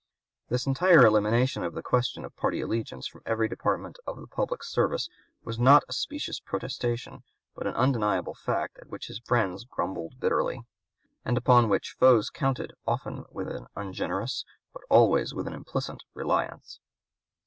This entire elimination of the question of party allegiance from every department of the public service was not a specious protestation, but an undeniable fact at which friends grumbled bitterly, and upon which (p. 199) foes counted often with an ungenerous but always with an implicit reliance.